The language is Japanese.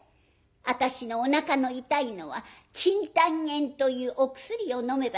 私のおなかの痛いのは金丹円というお薬を飲めばすぐに治ります。